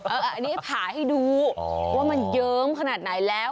อันนี้ผ่าให้ดูว่ามันเยิ้มขนาดไหนแล้ว